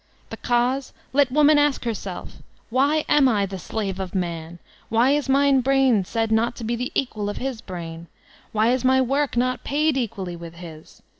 The Cause! Let woman ask herself, ''Why am I the slave of Man ? \Miy is my brain said not to be the equal of his brain? Why is my woric not paid equaOy with his?